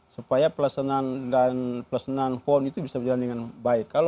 supaya pelaksanaan dan pelaksanaan pon itu bisa berjalan dengan baik